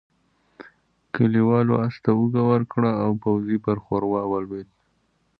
کليوالو آس ته اوږه ورکړه او پوځي پر ښوروا ولوېد.